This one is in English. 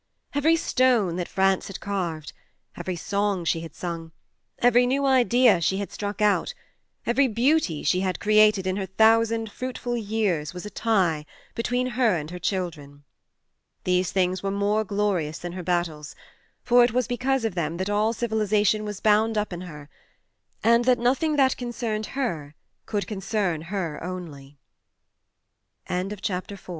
Every stone that France had carved, every song she had sung, every new idea she had struck out, every beauty she had created in her thousand fruitful years, was a tie between her and her children. These things were more glorious than her battles, for it was because of them that all civilization was bound up in her, and that nothing that conce